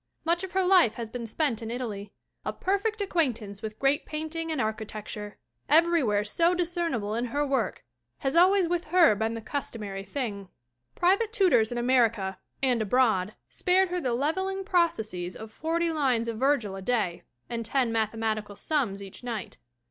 Much of her life has been spent in Italy ; a perfect acquaintance with great paint ing and architecture, everywhere so discernible in her work, has always with her been the customary thing. Private tutors in America and abroad spared her the leveling processes of forty lines of Virgil a day and ten mathematical sums each night.